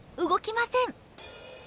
動きません。